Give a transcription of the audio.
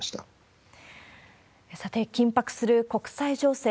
さて、緊迫する国際情勢。